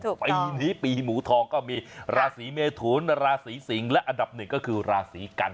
ปีนี้ปีหมูทองก็มีราศีเมทุนราศีสิงศ์และอันดับหนึ่งก็คือราศีกัน